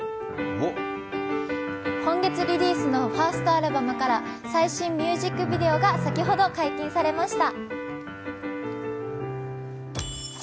今月リリースのファーストアルバムから、最新ミュージックビデオが先ほど解禁されました。